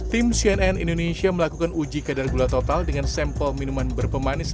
tim cnn indonesia melakukan uji kadar gula total dengan sampel minuman berpemanis